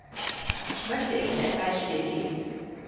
Ich möchte Ihnen ein Beispiel geben.